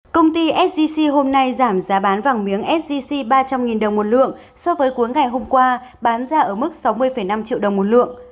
công ty sgc hôm nay giảm giá bán vàng miếng sgc ba trăm linh đồng một lượng so với cuối ngày hôm qua bán ra ở mức sáu mươi năm triệu đồng một lượng